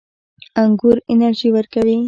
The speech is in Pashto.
انګور انرژي ورکوي